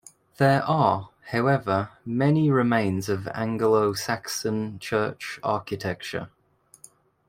There are, however, many remains of Anglo-Saxon church architecture.